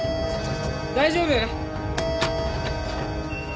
大丈夫？